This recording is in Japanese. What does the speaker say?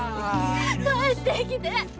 帰ってきて！